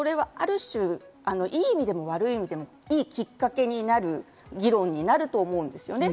いい意味でも悪い意味でも良いきっかけになる議論になると思います。